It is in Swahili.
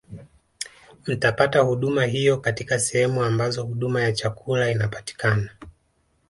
Mtapata huduma hiyo katika sehemu ambazo huduma ya chakula inapatikana